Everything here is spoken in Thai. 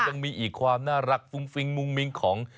ยังมีอีกความน่ารักฟุ้งฟิ้งมุ้งมิ้งของ